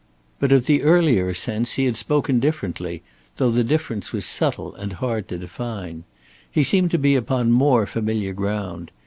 But of the earlier ascents he had spoken differently, though the difference was subtle and hard to define. He seemed to be upon more familiar ground.